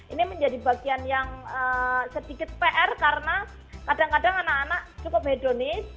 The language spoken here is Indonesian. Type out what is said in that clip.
ini menjadi bagian yang sedikit pr karena kadang kadang anak anak cukup hedonis